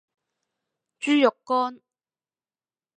豬肉乾